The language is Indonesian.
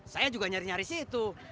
saya juga nyari nyari situ